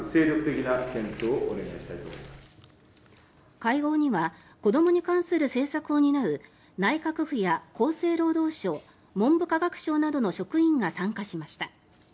会合には子どもに関する政策を担う内閣府や厚生労働省文部科学省などの職員が参加しました。